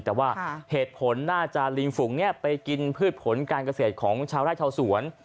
แต่ว่าเหตุผลน่าจะลิงฝุงนี้ไปกินพืชผลการเกษตรของชาวไร่ชาวสวน